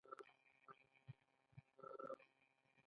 اټکل کېده چې عملیات به له همدې ځایه پيلېږي.